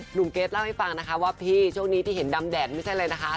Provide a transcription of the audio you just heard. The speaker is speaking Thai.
เกรทเล่าให้ฟังนะคะว่าพี่ช่วงนี้ที่เห็นดำแดดไม่ใช่อะไรนะคะ